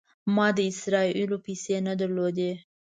ما د اسرائیلو پیسې نه درلودې.